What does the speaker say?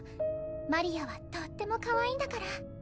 マリアはとってもかわいいんだから